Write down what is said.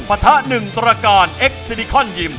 ปะทะ๑ตรการเอ็กซิลิคอนยิม